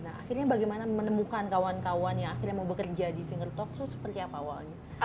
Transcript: nah akhirnya bagaimana menemukan kawan kawan yang akhirnya mau bekerja di finger talk itu seperti apa awalnya